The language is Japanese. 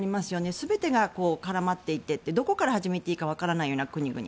全てが絡まっていてどこから始めていいかわからないような国々。